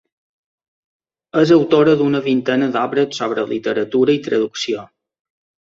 És autora d'una vintena d'obres sobre literatura i traducció.